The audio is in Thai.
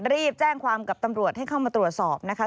รีบแจ้งความกับตำรวจให้เข้ามาตรวจสอบนะคะ